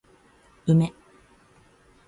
梅